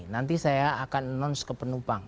nanti saya akan announce ke penumpang